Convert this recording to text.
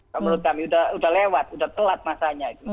menurut kami sudah lewat sudah telat masanya